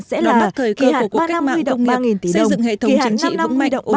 đóng bắt thời cơ của cuộc cách mạng công nghiệp xây dựng hệ thống chính trị vững mạnh